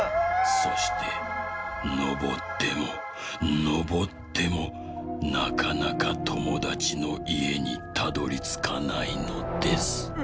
「そしてのぼってものぼってもなかなかともだちのいえにたどりつかないのです」。